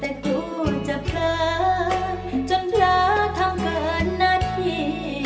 แต่กลัวจะเพิ่มจนเพล่าทำเกินหน้าที่